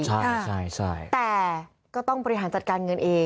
ใช่แต่ก็ต้องบริหารจัดการเงินเอง